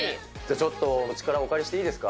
ちょっとお力をお借りしていいですか？